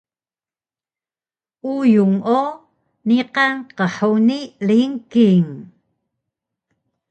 uyung o niqan qhuni lingking